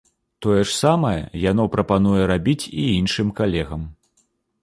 Тое ж самае яно прапануе рабіць і іншым калегам.